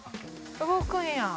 動くんや。